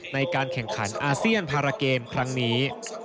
ในการแข่งขันอาเซียนพาราเกมครั้งนี้